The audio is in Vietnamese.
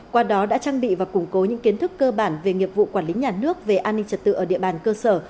qua đó đã trang bị và củng cố những kiến thức cơ bản về nghiệp vụ quản lý nhà nước về an ninh trật tự ở địa bàn cơ sở